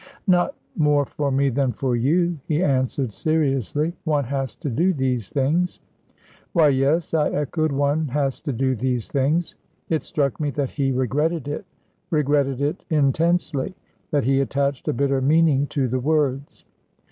"Not more for me than for you," he answered, seriously "one has to do these things." "Why, yes," I echoed, "one has to do these things." It struck me that he regretted it regretted it intensely; that he attached a bitter meaning to the words.